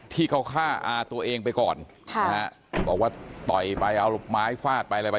ที่เค้าฆ่าอาตัวเองไปก่อนบอกว่าต่อยไปเอาลูกไม้ฟาดไปเลยไป